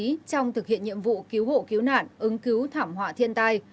trong thực hiện nhiệm vụ cứu hộ cứu nạn ứng cứu thảm họa thiên tai